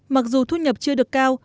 mặc dù thu nhập chưa được cao